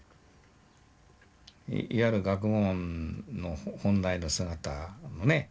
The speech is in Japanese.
いわゆる学問の本来の姿のね